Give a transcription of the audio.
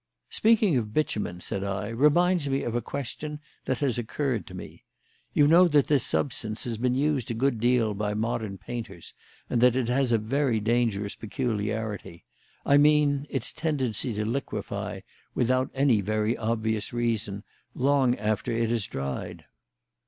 "Speaking of bitumen," said I, "reminds me of a question that has occurred to me. You know that this substance has been used a good deal by modern painters and that it has a very dangerous peculiarity; I mean its tendency to liquefy, without any very obvious reason, long after it has dried."